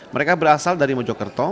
mereka berasal dari mojokerto